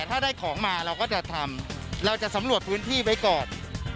ถ้าได้ของมาเราก็จะทำเราจะสำรวจพื้นที่ไว้ก่อน